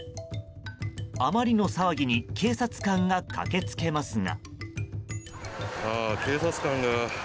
あまりの騒ぎに警察官が駆け付けますが。